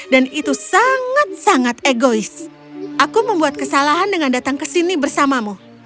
dan itu sangat sangat egois aku membuat kesalahan dengan datang ke sini bersamamu